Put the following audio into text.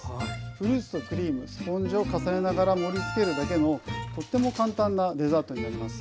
フルーツとクリームスポンジを重ねながら盛りつけるだけのとっても簡単なデザートになります。